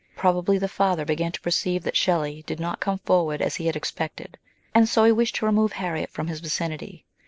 Probably the father began to perceive that Shelley did not coine forward as he had expected, and so he wished to remove Harriet from his vicinity.